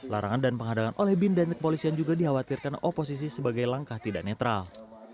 larangan dan pengadangan oleh bin dan kepolisian juga dikhawatirkan oposisi sebagai langkah tidak netral